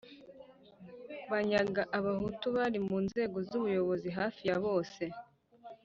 banyaga abahutu bari mu nzego z ubuyobozi hafi ya bose